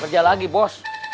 kerja lagi bos